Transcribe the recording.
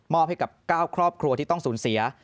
ให้กับ๙ครอบครัวที่ต้องสูญเสีย